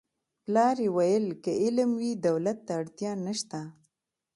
پلار یې ویل که علم وي دولت ته اړتیا نشته